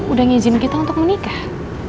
udah ngizin kita untuk menikah